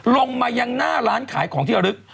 ลงมายังหน้าร้านขายของที่ระลึก